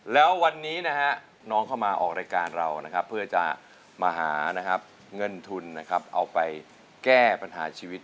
แล้ววันนี้นะฮะน้องเข้ามาออกรายการเรานะครับเพื่อจะมาหานะครับเงินทุนนะครับเอาไปแก้ปัญหาชีวิต